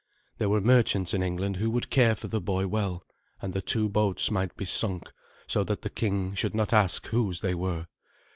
There were merchants in England who would care for the boy well, and the two boats might be sunk, so that the king should not ask whose they were.